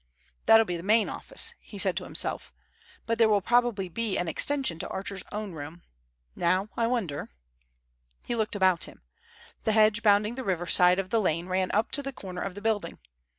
"That'll be the main office," he said to himself, "but there will probably be an extension to Archer's own room. Now I wonder—" He looked about him. The hedge bounding the river side of the lane ran up to the corner of the building.